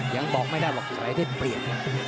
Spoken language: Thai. ยังบอกไม่ได้ว่าใครจะเปรียด